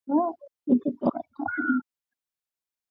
Weka karantini wanyama wageni